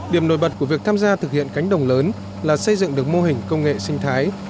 điểm nổi bật của việc tham gia thực hiện cánh đồng lớn là xây dựng được mô hình công nghệ sinh thái